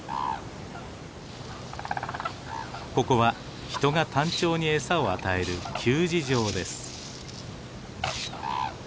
ここは人がタンチョウに餌を与える給餌場です。